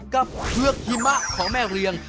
กับเชือกหิมะของแม่เรียง